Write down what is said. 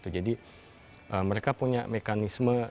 jadi mereka punya mekanisme